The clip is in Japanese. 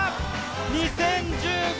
２０１５